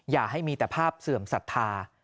อย่าให้มีแต่ภาพเสื่อมศรัทธา